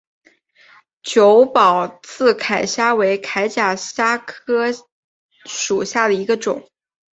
久保刺铠虾为铠甲虾科刺铠虾属下的一个种。